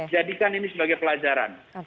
jadikan ini sebagai pelajaran